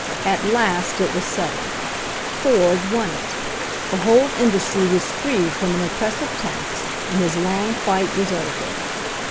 At last it was settled. Ford won it. The whole industry was freed from an oppressive tax and his long fight was over.